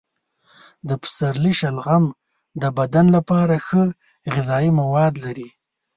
د پسرلي شلغم د بدن لپاره ښه غذايي مواد لري.